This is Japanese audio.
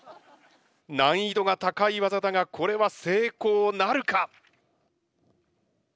難易度が高い技だがこれは成功なるか？